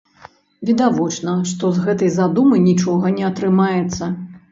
Відавочна, што з гэтай задумы нічога не атрымаецца.